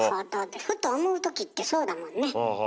ふと思う時ってそうだもんね。